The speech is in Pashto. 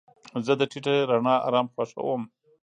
زه د ټیټه رڼا آرام خوښوم.